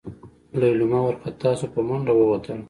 لېلما وارخطا شوه په منډه ووتله.